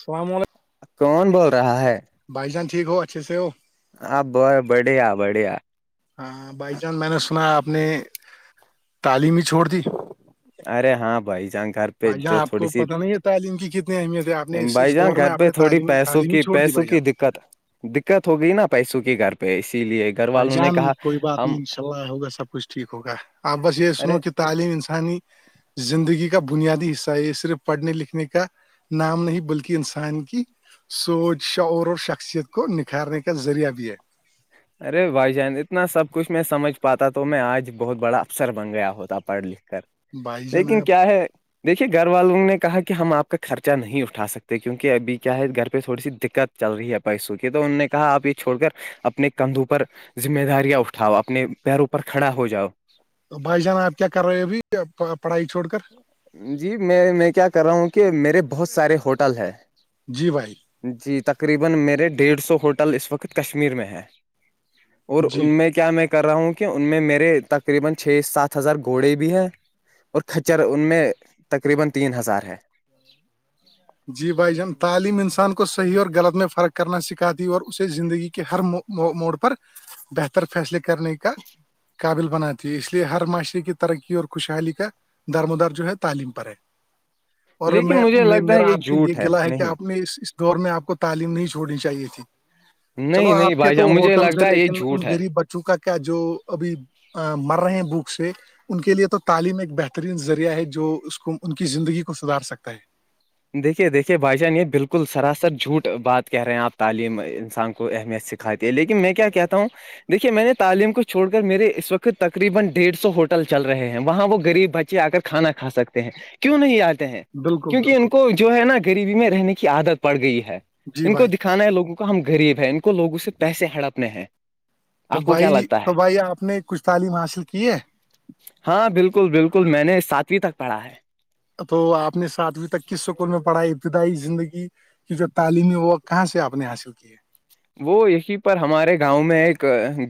السلام علیکم کون بول رہا ہے بھائی جان ٹھیک ہو اچھے سے ہو آپ ب بڑیا بڑیا ہاں بائی چانس میں نے سنا آپ نے تعلیم ہی چھوڑ دی ارے ہاں بھائی جان گھر پ بھائی جان جو آپ تھوڑی کو سی پتہ نہیں ہے تعلیم کی کتنی اہمیت ہے آپ نے اس بھائی اس جان دور میں گھر آپ پہ نے تھوڑی تعلیم پیسوں تعلیم ہی کی چھوڑ دی پیسوں بھائی جان کی د دت دقت ہوگئی نا پیسوں کے گھر پہ اسی لیے گھر بھائی والوں نے جان کہا کوئی بات ہم نہیں ہوگا سب کچھ ٹھیک ہوگا آپ بس یہ سنو ارے کہ تعلیم انسانی زندگی کا بنیادی حصہ ہے یہ صرف پڑھنے لکھنے کا نام نہیں بلکہ انسان کی سوچ شعور اور شخصیت کو نکھارنے کا ذریعہ بھی ہے ارے بھائی جان اتنا سب کچھ میں سمجھ پاتا تو میں آج بہت بڑا افسر بن گیا ہوتا پڑھ لکھ کر بھائی جان لیکن آپ کیا ہے دیکھیے گھر والوں نے کہا کہ ہم آپ کا خرچہ نہیں اٹھا سکتے کیونکہ ابھی کیا ہے گھر پہ تھوڑی سی دقت چل رہی ہے پیسوں کے تو انہوں نے کہا آپ یہ چھوڑ کر اپنے کندھو پر ذمہ داریاں اٹھاؤ اپنے پیروں پر کھڑا ہو جاؤ تو بھائی جان آپ کیا کر رہے ہو ابھی پڑھائی چھوڑ کر جی میں میں کیا کر رہا ہوں کہ میرے بہت سارے ہوٹل ہیں جی بھائی جی تقریبا میرے ڈیڑھ سو ہوٹل کشمیر میں جی ہیں کیا میں کر رہا ہوں کہ ان میں میرے ساتھ ہزار گھوڑے بھی ہیں خچر ان میں تقریبا تین ہزار ہیں جی بھائی جان تعلیم انسان کو صحیح اور غلط میں فرق کرنا سکھاتی اور اسے زندگی کے ہرو موڈ پر بہتر فیصلے کرنے کا قابل بناتی ہے اس لیے ہر معاشرے کی ترقی اور خوشحالی کا درم دار جو ہے تعلیم پر ہے اور لیکن میں مجھے لگتا ہے میرا آ آ سے یہ جھوٹ گلا ہے کہ نہیں آپ نے اس اس دور میں آپ کو تعلیم نہیں چھوڑنی چاہیے تھی چلو نہیں آپ نہیں کے بھائی تو جان مجھے ہوٹل سے لگتا ہے یہ لیکن ان جھوٹ ہے غریب بچوں کا کیا جو ابھی مر رہے ہیں بھوک سے ان کے لئے تو تعلیم ایک بہترین ذریعہ ہے جو اس کو ان کی زندگی کو سدار سکتا ہے دیکھیے دیکھیے بھائی جان یہ بالکل سراسر جھوٹ بات کہہ رہے ہیں آپ تعلیم انسان کو اہمیت سے کھاتی ہیں لیکن میں کیا کہتا ہوں دیکھیے میں نے تعلیم کو چھوڑ کر میرے ڈیڑھ سو ہوٹل چل رہے ہیں کھانا کھا سکتے ہیں کیوں نہیں آتے ہیں بالکل کیونکہ ان بالکل کو جو ہے نا غریبی میں رہنے کی عادت پڑ گئی ہے جی ان کو بھائی دکھا کانا ہے لوگوں کو ہم غریب ہے ان کو لووں سے پیسے ہڑپنے ہیں تو آپ کو کیا بھائی لگتا تو ہے بھائی آپ نے کچھ تعلیم حاصل کی ہے ہاں بالکل بالکل میں نے ساتویں تک پڑھا ہے تو آپ نے ساتویں تک کس اسکول میں پڑھائی ابتدائی زندگی کی جو تعلیمی وقت کہاں سے آپ نے حاصل کی ہے وہ یہی پر ہمارے گاؤں میں ایک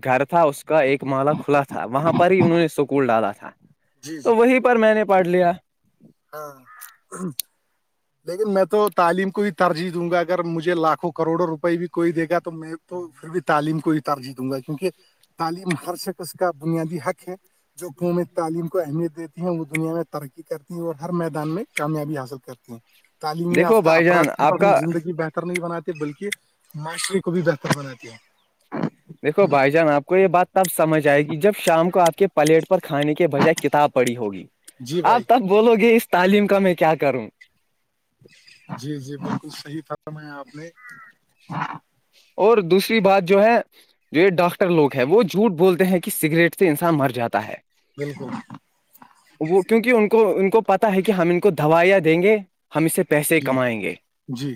گھر تھا اس کا ایک مالا کھلا تھا وہاں پر ہی انہوں نے اسکول ڈالا تھا جی جی تو وہی بھی پر میں نے پڑھ لیا ہاں لیکن میں تو تعلیم کو بھی ترجیح دوں گا اگر مجھے لاکھوں کروڑوں روپئے بھی کوئی دے گا تو میں تو بھی تعلیم کو ہی ترجیح دوں گا کیونکہ تعلیم خر سے کا بنیادی حق ہے جو قووم تعلیم کو اہمیت دیتی ہے وہ دنیا میں ترقی کر اور ہر میدان میں کامیابی حاصل کرتی ہیں تعلیم دیکھو یافتہ بھائی جان اپفراد صرف آپ اپنی کا زندگی بہتر نہیں بناتے بلکہ معاشرے کو بھی بہتر بناتی ہیں دیکو بھائی جان آپ کو یہ بات تب سمجھ آئے گی جب شام کو آپ کے پلیٹ پر کھانے کے بجائے کتاب پڑی ہوگی جی آپ بھائی تب بولو گے اس تعلیم کا میں کیا کروں جی جی بالکل صحیح فرم ہے آپ نے اور دوسری بات جو ہے جو یہ ڈاکٹر لوگ ہے وہ جھوٹ بولتے ہیں کہ سگریٹ سے انسان مر جاتا ہے بالکل وہ کیونکہ ان کو ان کو پتا ہے کہ ہم ان کو دوائیاں دیں گے ہم اسے پیسے جی کمائیں گے جی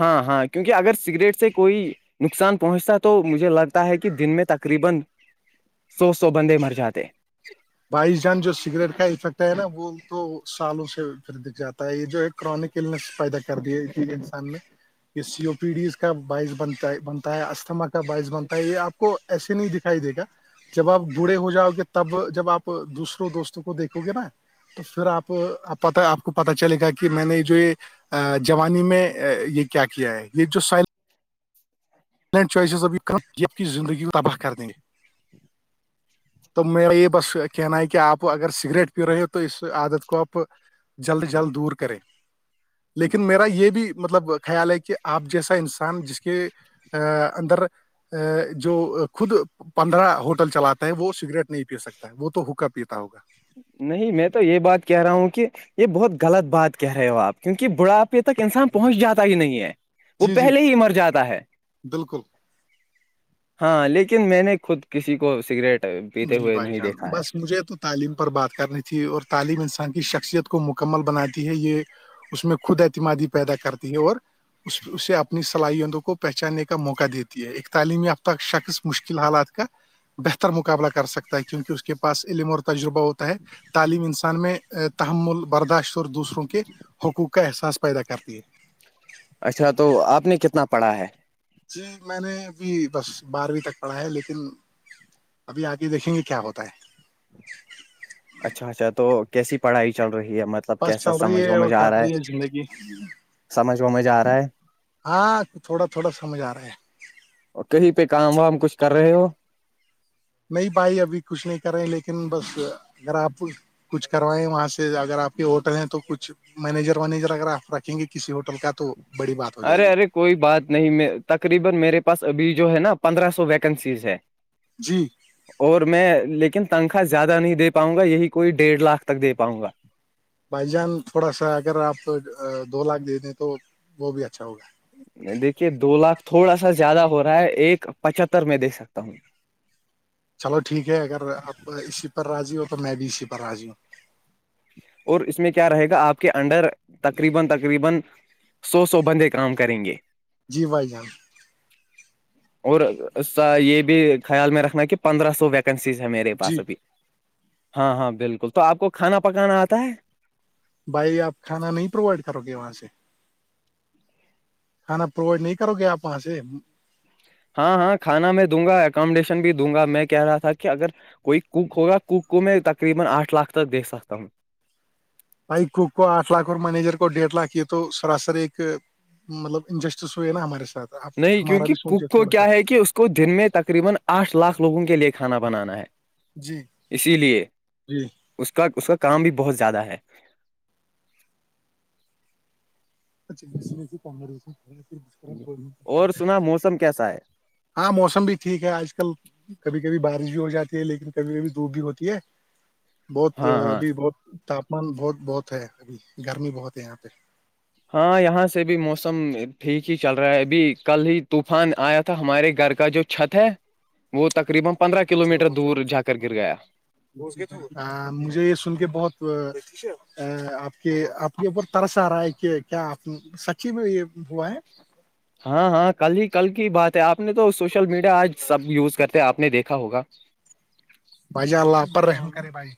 ہاں ہاں کیونکہ اگر سگریٹ سے کوئی نقصان پہنچتا ہے تو مجھے لگتا ہے کہ دن میں تقریبا سو سو بندے مر جاتے بائیس جان جو سگریٹ کا افیکٹ ہے نا وہ تو سالوں سے جاتا ہے یہ جو ہے کرونکس پیدا کر دی ہے انسان نے یہ سی او پی ڈیز کا باعث بنتا بنتا ہے اسھما کا باعث بنتا ہے یہ آپ کو ایسے نہیں دکھائی دے گا جب آپ بھے ہو جاؤ گے تب جب آپ دوسروں دوستوں کو دیکھو گے نا تو پھر آپپ پ آپ کو پت چلے گا کہ میں نے جو یہ جوانی میں یہ کیا کیا ہے یہ جو سائل ب ج کی زندگی کو تباہ کر دیں گے تو میں ب بس کہ ن ہے کہ آپ اگر سگریٹ پی رہے ہو تو اس عادت کو آپ جلد جلد دور کریں لیکن میرا یہ یہ بھی مطلب خیال ہے کہ آپ جیسا انسان جس کے اندر جو خود پندرہ ہوٹل چلاتے ہیں وہ سگریٹ نہیں پی سکتے وہ تو ہوکا پیتا ہوگا نہیں میں تو یہ بات کہہ رہا ہوں کہ یہ بہت غلط بات کہہ رہے ہو آپ کیونکہ بڑا تک انسان پہنچ جاتا ہی نہیں ہے وہ جی جی پہلے ہی مر جاتا ہے بالکل ہاں لیکن میں نے خود کسی کو سگریٹ پیتے جی ہوئے بھائی نہیں جان دیکھا ہے بس مجھے تو تعلیم پر بات کرنی تھی اور تعلیم انسان کی شخصیت کو مکمل بناتی ہے یہ اس میں خود اعتمادی پیدا کرتی ہے اور اسے اپنی صلاحیتوں کو پہچاننے کا موقع دیتی ہے ایک تعلیمی ہفتہ شخص مشکل حالات کا بہتر مقابلہ کر سکتا ہے کیونکہ اس کے پاس علم اور تجربہ ہوتا ہے تعلیم انسان میں تحمل برداشت اور دوسروں کے حقوق کا احساس پیدا کرتی ہے اچھا تو آپ نے کتنا پڑھا ہے جی میں نے ابھی بس بارہویں تک پڑھا ہے لیکن ابھی آ کے دیکھیں گے کیا ہوتا ہے اچھا اچھا تو کیسی پڑھائی چل رہی ہے مت بس چل رہی ہے اور کٹ رہی ہے زندگی سمجھ میں ج آ رہا ہے ہاں تھوڑا تھوڑا سمجھ آ رہا ہے اور کہیں پہ کام وام کچھ کر رہے ہو نہیں بھائی ابھی کچھ نہیں کر رہے لیکن بس اگر آپ کچھ کروائیں وہاں سے اگر آپ کے ہوٹل ہیں تو کچھ مینیجر ونییجر اگر آپ رکھیں گے کسی ہوٹل کا تو بڑی بات ہو جائے ارے گی ارے کوئی بات نہیں تقریبا میرے پاس ابھی جو ہے نا پندرہ سو ویکنسیز ہے جی اور میں لیکن تنخوا زیادہ نہیں دے پاؤں گا یہی کوئی ڈیڑھ لاکھ تک دے پاؤں گا بائی جان تھوڑا سا اگر آپ دو لاکھ دے دیں تو وہ بھی اچھا ہوگا دیکھیے دو لاکھ تھوڑا سا زیادہ ہو رہا ہے ایک پچتر میں دیکھ سکتا ہوں چلو ٹھیک ہے اگر آپ اسی پر راضی ہو تو میں بھی اسی پر رضی ہوں اور اس میں کیا رہے گا آپ کے انڈر تقریباقریبا سو سو بندے کام کریں گے جی بھائی جان اور یہ بھی خیال میں رکھنا کہ پندرہ سو و کنز ہے میرے پاس جی ابھی ہاں ہاں بالکل تو آپ کو کھانا پکانا آتا ہے بھائی آپ کھانا نہیں پرووائڈ کرو گے وہاں سے کھانا پرووائڈ نہیں کرو گے آپس سے ہاں ہاں کھانا میں دوں گا اکمیڈیشن بھی دوں گا میں کہہ رہا تھا کہ اگر کوئی کوک ہوگا کوک کو میں تقریبا آٹھ لاکھ تک دیکھ سکتا ہوں بائک کو کو آھ لاکھ اور مینیجر کو ڈیڑھ لاکھ یہ تو سراسر ایک مطلب انجسٹس ہوئے نا ہمارے سھ نہیں کیونکہ پک کو کیا ہے کہ اس کو دن میں تقریبا آٹھ لاکھ لوگوں کے لیئے کھانا بنانا ہے جی اسی لیے جی اس کا اس کا کام بھی بہت زیادہ ہے اچ کوم کری اور سنا موسم کیسا ہے ہاں موسم بھی ٹھیک ہے آج کل کبھی کبھی بارش بھی ہو جاتی ہے لیکن کبھی کبھی دھوپ بھی ہوتی ہے بہت ہاں ہاں ابھی بہت تاپمان بہت بہت ہے ابھی گرمی بہت ہے یہاں پہ ہاں یہاں سے بھی موسم ٹھیک ہی چل رہا ہے ابھی کل ہی طوفان آیا تھا ہمارے گھر کا جو چھت ہے وہ تقریبا پندرہ کلو میٹر دور جا کر گر گیا [unintelligible] مجھے یہ سن کے بہت آپ کے آپ کے اوپر ترس آ رہا ہے کہ کیا آپ سچی میں یہ ہوا ہے ہاں ہاں کل ہی کل کی بات ہے آپ نے تو سوشل میڈیا آج سب یوز کرتے آپ نے دیکھا ہوگا بھائی جان اللہ آپ پر رحم کرے بھائی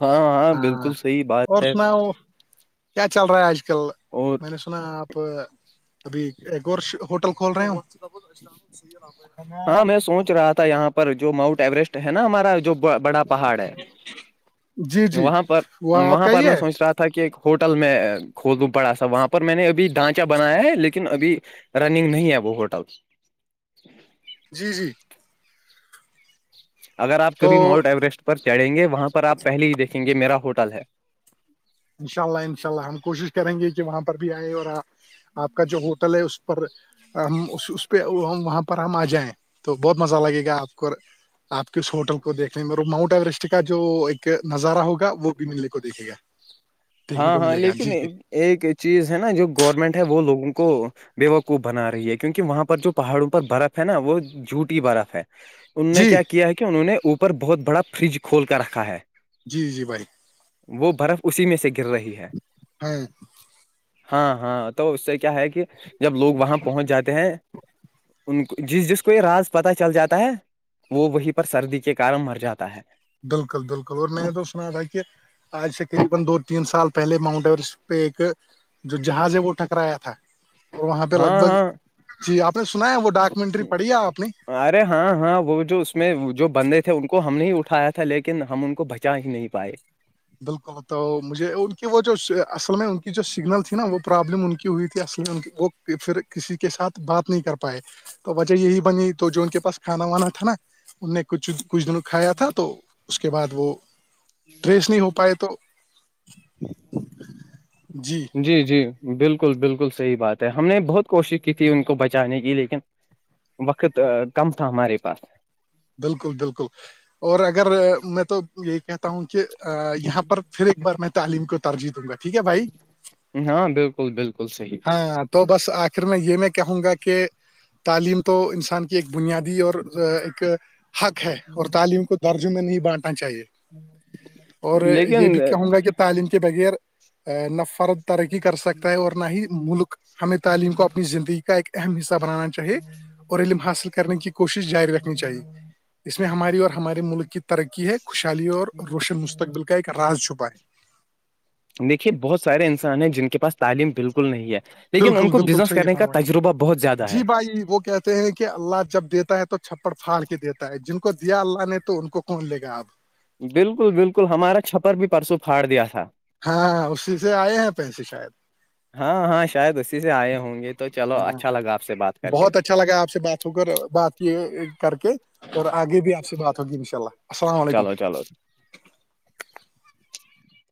ہاں ہاں ہاں بالکل صحیح اور بات ہے سناؤ کیا چل رہا ہے آج کل اور میں نے سنا آپ ابھی ایک ہوٹل کھول رہے ہیں ہاں میں سوچ رہا یہاں پر جو ماؤنٹ ایوریسٹ ہے نا ہمارا جو بڑا پہاڑ ہے جی جی وہاں پر وہ آپ وہاں کا پر ہی میں ہے سوچ رہا تھا تھا کہ ایک ہوٹل میں کھول دوں بڑا سا وہاں پر میں نے ابھی ڈھانچا بنایا ہے لیکن ابھی رنگ نہیں آب ہوٹا جی جی اگر آپ تو کبھی ماؤنٹ ایوریسٹ پر چڑھیں گے وہاں پر آپ پہلے ہی دیکھیں گے میرا ہوٹل ہے انشاء اللہ انشاء اللہ ہم کوشش کریں گے کہ وہاں پر بھی آئے اور آپ کا جو ہوٹل ہے اس پر اس پہ وہاں پر ہم آ جائیں تو بہت مزہ لگے گا آپ کو آپ کے اس ہوٹل کو دیکھنے میں ماؤنٹ ایورسٹ کا جو ایک نظارہ ہوگا وہ بھی ملنے کو دیکھے گا دیکھنے ہاں کو ہاں ملے گا لیکن جی جی ایک چیز ہے نا جو گورنمنٹ ہے وہ لوگوں کو بےوقوف بنا رہی ہے کیونکہ وہاں پر جو پہاڑوں پر برف ہے نا وہ جھوٹی برف ہے ان نے جی کیا ہے کہ انہوں نے اوپر بہت بڑا فریج کھول کر رکھا ہے جی جی بھائی وہ برف اسی میں سے گر رہی ہے ہاں ہاں ہاں تو اس سے کیا ہے کہ جب لوگ وہاں پہنچ جاتے ہیں ان کو جس جس کو یہ راز پتا چل جاتا ہے وہ وہیں پر سردی کے کارن مر جاتا ہے بالکل بالکل اور میں تو سنا تھا کہ آج تقریبا دو تین سال پہلے ماؤنٹ ایوریسٹ پہ ایک جو جہاز ہے وہ ٹکرایا تھا اور وہاں پہ لگ ہاں بھگ ہاں جی آپ نے سنا ہے وہ ڈاکومنٹری پڑھی ہے آپ نے ارے ہاں ہاں وہ جو اس میں جو بندے تھے ان کو ہم نہیں اٹھایا تھا لیکن ہم ان کو بچا ہی نہیں پائے بالکل تو مجھے ان کی وہ جو اصل میں ان کی جو سگنل تھی نا وہ پرابلم ان کی ہوئی تھی اصل میں ان کی وہ کہ پھر کسی کے ساتھ بات نہیں کر پائے تو وجہ یہی بنی تو جو ان کے پاس کھانا وانا تھا نا ان نے کچھ کچھ دنوں کھایا تھا تو اس کے بعد وہ [inaudible] ٹریس ہو پائے تو جی جی جی بالکل بالکل صحیح بات ہے ہم نے بہت کوشش کی تھی ان کو بچانے کی لیکن وقت کم تھا ہمارے پاس بالکل بالکل اور اگر میں تو یہی کہتا ہوں کہ یہاں پر پھر ایک بار میں تعلیم کو ترجی دوں گا ٹھیک ہے بھائی ہاں بالکل بالکل صحی [unintelligible] ہاں تو بس آخر میں یہ میں کہوں گا کہ [unintelligible] تعلیم تو انسان کی ایک بنیادی اور ایک [unintelligible] حق ہے اور تعلیم کو درجوں میں نہیں بانٹنا چاہیے [unintelligible] اور یہ لیکن بھی کیا ہووں گا کہ [unintelligible] تعلیم کے بغیر نہ فرد ترقی کر سکتا ہے اور نہ ہی ملک [unintelligible] ہمیں تعلیم کو اپنی زندگی کا ایک اہم حصہ بنانا چاہیے اور علم حاصل کرنے کی کوشش جاری رکھنی چاہیے [unintelligible] اس میں ہماری اور ہمارے ملک کی ترقی ہے خوشحالی اور روشن مستقبل کا ایک راز چھپا ہے دیکھیے بہت سارے انسان ہیں جن کے پاس تعلیم بالکل نہیں ہے لیکن ان بالکل کو بالکل بزنس صحیح کرنے کا فرمایا تجربہ بہت زیادہ ہے جی [unintelligible] وہ کیا [unintelligible] ہیں کہ اللہ جب دیتا ہے تو چھپڑ پھاڑ کے دیتا ہے جن کو دیا اللہ نے تو ان کون لے گا آپ بالکل بالکل ہمارا چھپر بھی پرسوں پھاڑ دیا تھا ہاں اسی سے آئے ہیں پیسے شاید ہاں ہاں شاید اسی سے آئے ہوں گے تو چلو اچھا لگا آپ سے بات کر کے بہت اچھا لگا آ سے بات [unintelligible] ہو کر بات یہ کر کے اور آگے بھی آپ سے بات ہوگی ان شاء اللہ السلام علیکم چلو چلو